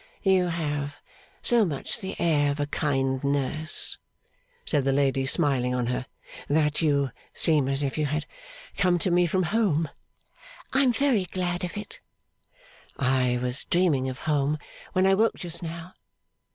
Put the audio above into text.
'You have so much the air of a kind nurse,' said the lady, smiling on her, 'that you seem as if you had come to me from home.' 'I am very glad of it.' 'I was dreaming of home when I woke just now.